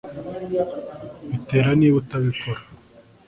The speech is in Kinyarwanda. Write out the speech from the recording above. bitera niba utabikora